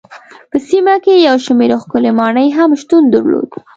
په سیمه کې یو شمېر ښکلې ماڼۍ هم شتون درلود.